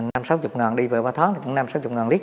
năm sáu mươi ngàn đi về ba tháng cũng năm sáu mươi ngàn lít